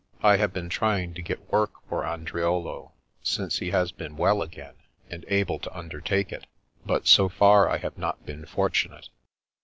I have been trying to get work for Andriolo, since he has been well again, and able to undertake it, but so far I have not been fortu nate.''